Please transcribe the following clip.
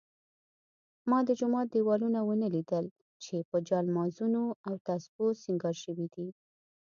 ما د جومات دېوالونه ونه لیدل چې په جالمازونو او تسپو سینګار شوي وي.